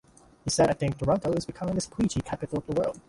He said I think Toronto is becoming the squeegee capital of the world.